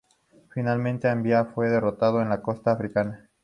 Finalmente, Aníbal fue derrotado en la costa africana.